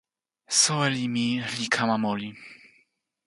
soweli mi li kama moli.